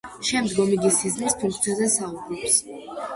შემდგომ იგი სიზმრის ფუნქციაზე საუბრობს.